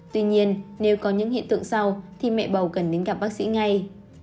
tuy nhiên nếu có những hiện tượng sau thì mẹ bầu cần đến gặp bác sĩ ngay